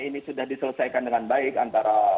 ini sudah diselesaikan dengan baik antara